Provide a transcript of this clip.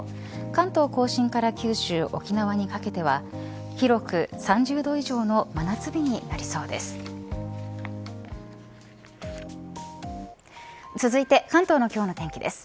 関東甲信から九州、沖縄にかけては広く３０度以上の真夏日になりそうです。